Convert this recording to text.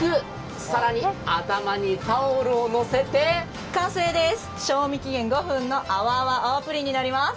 更に、頭にタオルをのせて完成です、賞味期限５分の泡泡泡ぷりんになります。